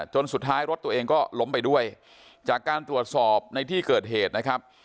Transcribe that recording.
สุดท้ายรถตัวเองก็ล้มไปด้วยจากการตรวจสอบในที่เกิดเหตุนะครับ